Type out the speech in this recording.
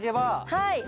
はい。